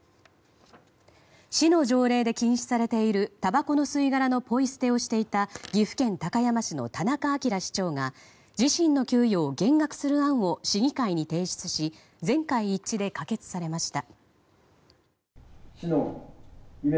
市の条例で禁止されているたばこの吸い殻のポイ捨てをしていた岐阜県高山市の田中明市長が自身の給与を減額する案を市議会に提出し全会一致で可決されました。